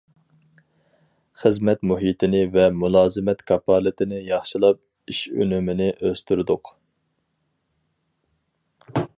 خىزمەت مۇھىتىنى ۋە مۇلازىمەت كاپالىتىنى ياخشىلاپ، ئىش ئۈنۈمىنى ئۆستۈردۇق.